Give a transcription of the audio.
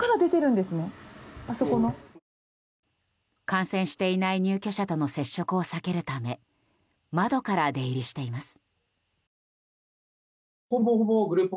感染していない入居者との接触を避けるため窓から出入りしています。